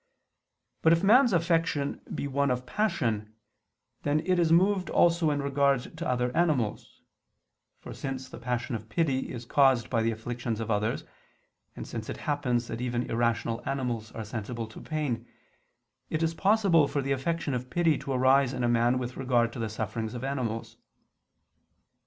But if man's affection be one of passion, then it is moved also in regard to other animals: for since the passion of pity is caused by the afflictions of others; and since it happens that even irrational animals are sensible to pain, it is possible for the affection of pity to arise in a man with regard to the sufferings of animals.